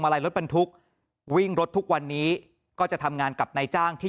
อะไรรถบรรทุกวิ่งรถทุกวันนี้ก็จะทำงานกับนายจ้างที่